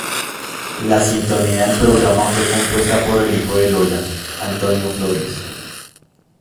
La sintonía del programa fue compuesta por el hijo de Lola, Antonio Flores.